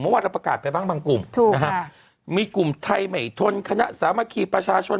เมื่อวานเราประกาศไปบ้างบางกลุ่มถูกนะครับมีกลุ่มไทยใหม่ทนคณะสามัคคีประชาชน